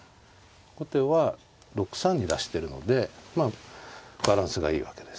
後手は６三に出してるのでバランスがいいわけです。